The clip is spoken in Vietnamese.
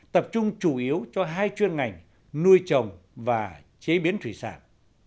tập trung chủ yếu cho hai chuyên ngành nuôi trồng và chế biến thủy sản